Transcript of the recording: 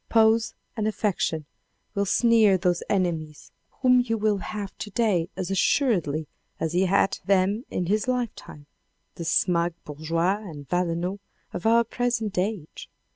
" Pose and affection " will sneer those enemies whom he will xii. INTRODUCTION have to day as assuredly as he had them in his lifetime, the smug bourgeois and Valenods of our present age.